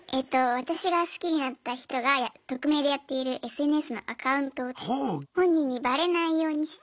私が好きになった人が匿名でやっているＳＮＳのアカウントを本人にバレないようにして「特定」していますね。